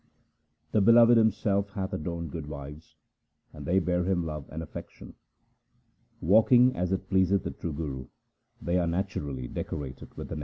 The Beloved Himself hath adorned good wives, and they bear Him love and affection. Walking as it pleaseth the true Guru, they are naturally decorated with the Name.